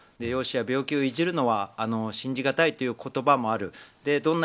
容姿や病気をいじるのは信じがたいという言葉もある。